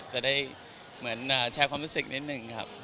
จะได้เหมือนแชร์ความรู้สึกนิดนึงครับ